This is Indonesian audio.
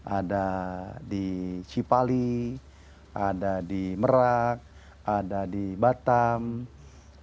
ada di cipali ada di merak ada di batam ada di jawa timur madura banjarmasin sulawesi selatan